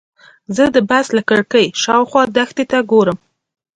زه د بس له کړکۍ شاوخوا دښتې ته ګورم.